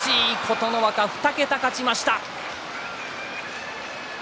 押し出し琴ノ若２桁勝ちました。